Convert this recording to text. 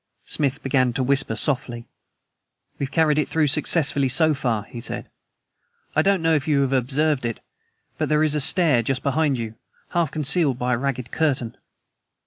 Smith began to whisper softly. "We have carried it through successfully so far," he said. "I don't know if you have observed it, but there is a stair just behind you, half concealed by a ragged curtain.